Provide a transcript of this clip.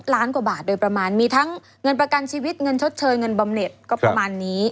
ล้านกว่าบาทโดยประมาณมีทั้งเงินประกันชีวิตเงินชดเชยเงินบำเน็ตก็ประมาณนี้